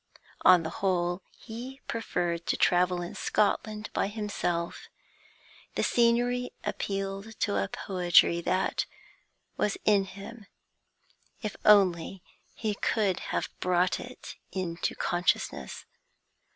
On the whole, he preferred to travel in Scotland by himself; the scenery appealed to a poetry that was in him, if only he could have brought it into consciousness.